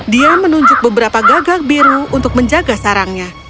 dia menunjuk beberapa gagak biru untuk menjaga sarangnya